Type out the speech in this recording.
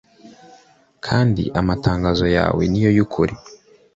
kandi amatangazo yawe ni yo y'ukuri